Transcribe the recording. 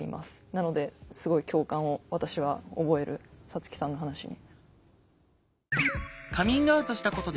なのですごい共感を私は覚えるサツキさんの話に。